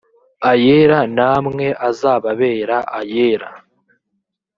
ayera namwe azababera ayera